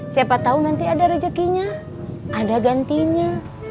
siapa tau nanti ada rejekinya ada gantinya